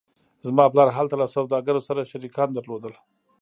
زما پلار هلته له سوداګرو سره شریکان درلودل